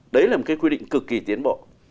đấy là một cái quy định cực kỳ tiến bộ